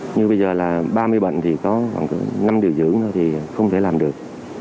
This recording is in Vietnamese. như bây giờ là ba mươi bệnh thì có khoảng năm đội dưỡng thì không thể làm được